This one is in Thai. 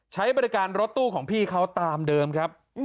ใช้บริการรถตู้ของพี่เขาตามเดิมครับ